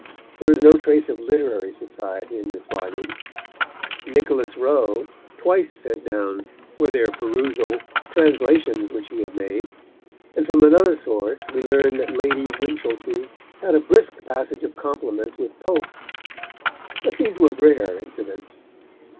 There is no trace of literary society in this volume. Nicholas Rowe twice sent down for their perusal translations which he had made; and from another source we learn that Lady Winchilsea had a brisk passage of compliments with Pope. But these were rare incidents.